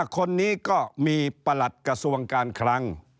คนนี้ก็มีประหลัดกระทรวงการคลัง